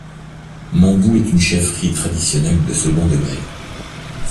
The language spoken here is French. Mambu est une chefferie traditionnelle de second degré.